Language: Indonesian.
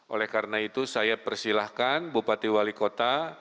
oleh karena itu saya persilahkan bupati wali kota